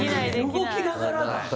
動きながらが。